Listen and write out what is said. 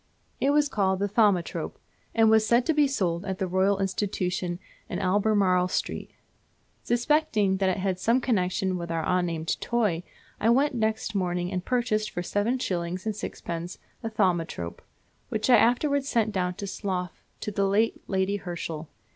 It was called the Thaumatrope, and was said to be sold at the Royal Institution, in Albemarle Street. Suspecting that it had some connection with our unnamed toy I went next morning and purchased for seven shillings and sixpence a thaumatrope, which I afterwards sent down to Slough to the late Lady Herschel.